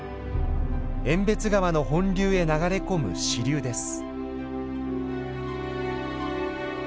遠別川の本流へ流れ込む支流です。